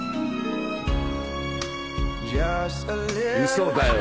嘘だよ！